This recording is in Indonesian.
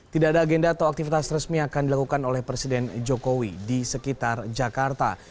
tidak ada agenda atau aktivitas resmi akan dilakukan oleh presiden jokowi di sekitar jakarta